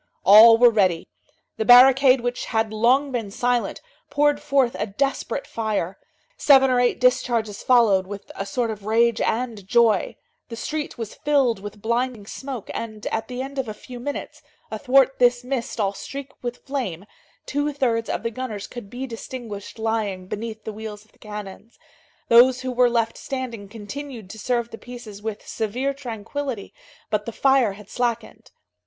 All were ready. The barricade, which had long been silent, poured forth a desperate fire; seven or eight discharges followed, with a sort of rage and joy; the street was filled with blinding smoke, and, at the end of a few minutes, athwart this mist all streaked with flame, two thirds of the gunners could be distinguished lying beneath the wheels of the cannons. Those who were left standing continued to serve the pieces with severe tranquillity, but the fire had slackened.